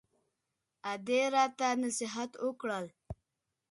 ادې راته نصيحت وکړ.